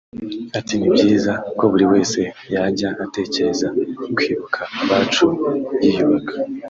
Ati “Ni byiza ko buri wese yajya atekereza kwibuka abacu yiyubaka